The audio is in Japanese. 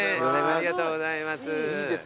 ありがとうございます。